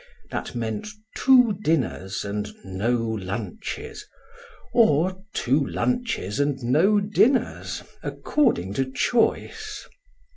That meant two dinners and no lunches, or two lunches and no dinners, according to choice.